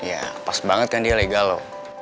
ya pas banget kan dia legal loh